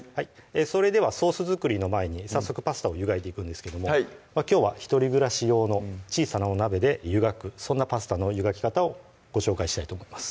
それではソース作りの前に早速パスタを湯がいていくんですけどもきょうは一人暮らし用の小さなお鍋で湯がくそんなパスタの湯がき方をご紹介したいと思います